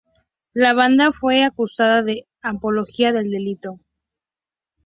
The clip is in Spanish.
La banda fue acusada de apología del delito.